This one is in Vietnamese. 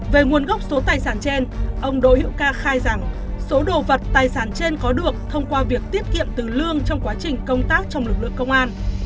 về nguồn gốc số tài sản trên ông đỗ hữu ca khai rằng số đồ vật tài sản trên có được thông qua việc tiết kiệm từ lương trong quá trình công tác trong lực lượng công an